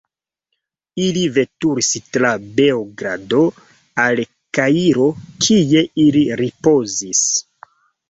Ili veturis tra Beogrado al Kairo, kie ili ripozis.